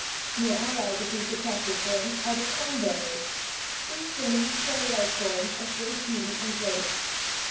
Near allies of these attractive forms are the comb bearers, free swimming, jellylike forms of great beauty and grace.